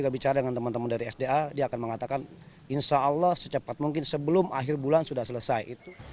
bangun dari sda dia akan mengatakan insya allah secepat mungkin sebelum akhir bulan sudah selesai